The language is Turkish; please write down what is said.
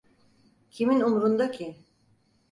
Kimin umrunda ki?